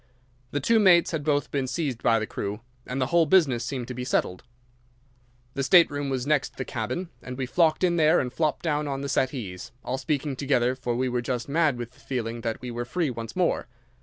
The two mates had both been seized by the crew, and the whole business seemed to be settled. "'The state room was next the cabin, and we flocked in there and flopped down on the settees, all speaking together, for we were just mad with the feeling that we were free once more.